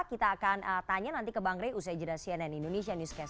kita akan tanya nanti ke bang rey usai jeda cnn indonesia newscast